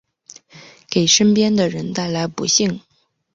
给身边的人带来不幸